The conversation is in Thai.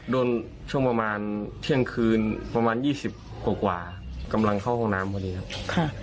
โดนช่วงประมาณเที่ยงคืนประมาณยี่สิบกว่ากว่ากำลังเข้าห้องน้ำพอดีครับค่ะ